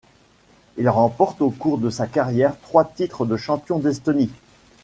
Il remporte au cours de sa carrière trois titres de champion d'Estonie.